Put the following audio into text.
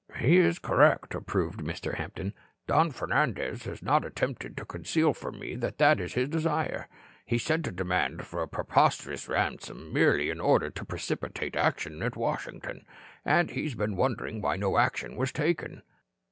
"He is correct," approved Mr. Hampton. "Don Fernandez has not attempted to conceal from me that that is his desire. He sent a demand for a preposterous ransom, merely in order to precipitate action at Washington, and he has been wondering why no action was taken."